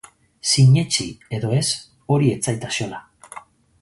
Sinetsi edo ez, hori ez zait axola.